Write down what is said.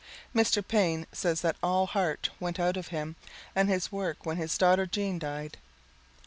Mr. Paine says that all heart went out of him and his work when his daughter Jean died.